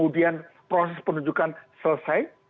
dan proses penunjukkan selesai